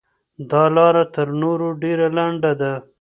دا لاره تر نورو ډېره لنډه ده.